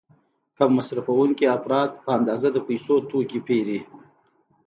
کم مصرفوونکي افراد په اندازه د پیسو توکي پیري.